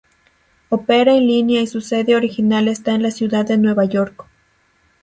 Opera en línea y su sede original está en la ciudad de Nueva York.